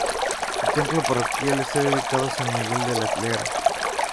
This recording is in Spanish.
Su templo parroquial está dedicado a San Miguel de la Llera.